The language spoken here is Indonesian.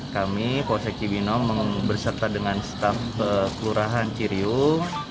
kami koseki binom berserta dengan staf kelurahan ciriung